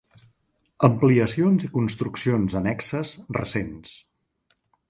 Ampliacions i construccions annexes recents.